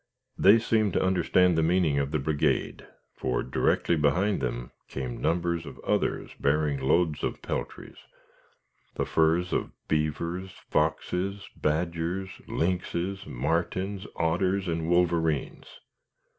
They seemed to understand the meaning of the brigade; for, directly behind them came numbers of others bearing loads of peltries the furs of beavers, foxes, badgers, lynxes, martens, otters, and wolverines.